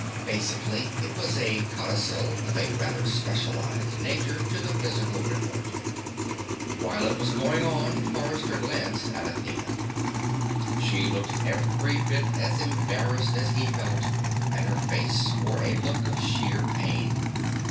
Basically, it was a codicil, of a rather specialized nature, to the physical report. While it was going on, Forrester glanced at Athena. She looked every bit as embarrassed as he felt, and her face wore a look of sheer pain.